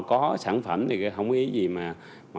có sản phẩm thì không có ý gì mà